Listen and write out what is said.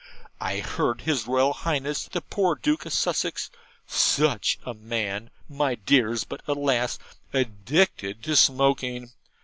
I heard his Royal Highness the poor dear Duke of Sussex (SUCH a man, my dears, but alas! addicted to smoking!)